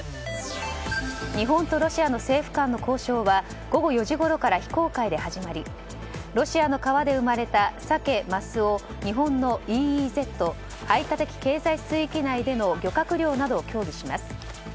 日本とロシアの政府間の交渉は午後４時ごろから非公開で始まりロシアの川で生まれたサケ・マスを日本のＥＥＺ・排他的経済水域内での漁獲量などを協議します。